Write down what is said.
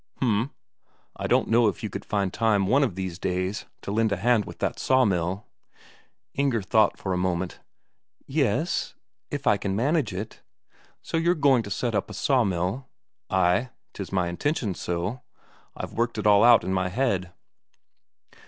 "Hm. I don't know if you could find time one of these days to lend a hand with that sawmill?" Inger thought for a moment. "Ye s, if I can manage it. So you're going to set up a sawmill?" "Ay, 'tis my intention so. I've worked it all out in my head."